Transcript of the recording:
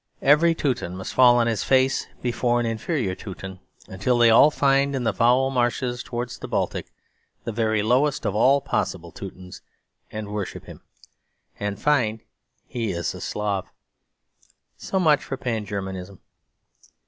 Every Teuton must fall on his face before an inferior Teuton; until they all find, in the foul marshes towards the Baltic, the very lowest of all possible Teutons, and worship him and find he is a Slav. So much for Pan Germanism.